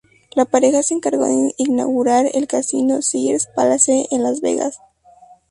La pareja se encargó de inaugurar el casino "Caesars Palace" en Las Vegas.